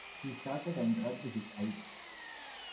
He started and rubbed his eyes.